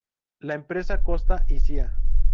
La empresa Costa y Cía.